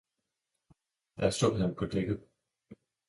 der stod han på dækket.